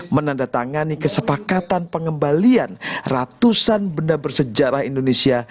menandatangani kesepakatan pengembalian ratusan benda bersejarah indonesia